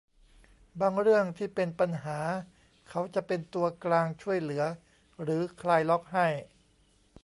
บางเรื่องที่เป็นปัญหาเขาจะเป็นตัวกลางช่วยเหลือหรือคลายล็อกให้